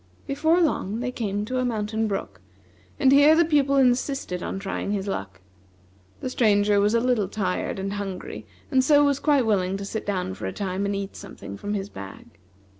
Before long they came to a mountain brook, and here the Pupil insisted on trying his luck. The Stranger was a little tired and hungry, and so was quite willing to sit down for a time and eat something from his bag.